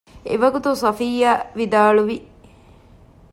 އެވަގުތު ޞަފިއްޔާ ވިދާޅުވި